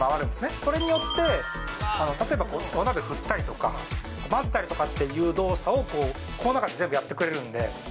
これによって、例えばお鍋振ったりとか、混ぜたりとかっていう動作をこの中で全部やってくれるんで。